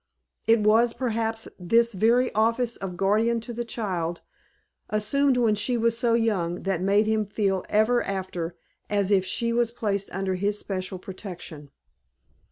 It was, perhaps, this very office of guardian to the child, assumed when she was so young, that made him feel ever after as if she was placed under his special protection.